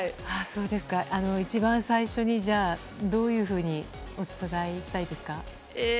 一番最初にどういうふうにお伝えしたいですか？